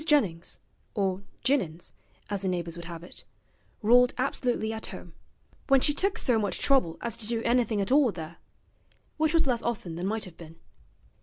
Jennings (or Jinnins, as the neighbours would have it) ruled absolutely at home, when she took so much trouble as to do anything at all there which was less often than might have been.